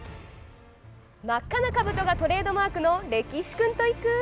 真っ赤なかぶとがトレードマークのれきしクンと行く！